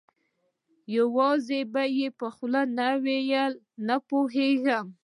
یوازې یې په خوله نه وایي، نه پوهېږم.